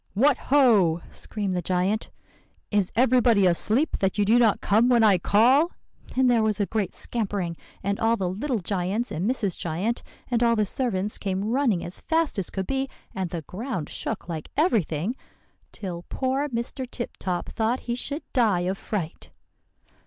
"'What ho!' screamed the giant, 'is everybody asleep that you do not come when I call?' And there was a great scampering; and all the little giants and Mrs. Giant, and all the servants came running as fast as could be. And the ground shook like everything, till poor Mr. Tip Top thought he should die of fright.